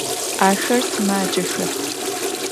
Axer sımacexep.